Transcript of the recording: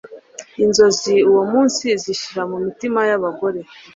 Inzozi uwo munsi zishira mumitima yabagore